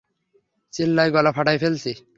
চিল্লায়া গলা ফাটায় ফেলছি।